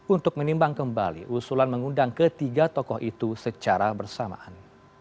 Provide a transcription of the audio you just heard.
untuk menimbang kembali usulan mengundang ketiga tokoh itu secara bersamaan